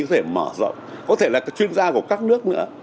có thể mở rộng có thể là các chuyên gia của các nước nữa